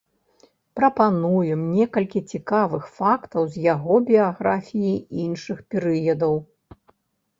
Прапануем некалькі цікавых фактаў з яго біяграфіі іншых перыядаў.